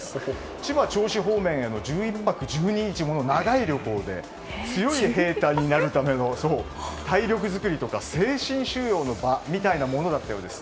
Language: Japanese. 千葉・銚子方面への１１泊１２日もの長い旅行で強い兵隊になるための体力作りとか精神修養の場みたいなものだったようです。